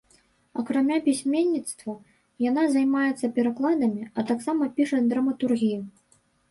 Акрамя пісьменніцтва, яна займаецца перакладамі, а таксама піша драматургію.